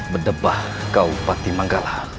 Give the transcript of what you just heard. bedebah kau patimanggala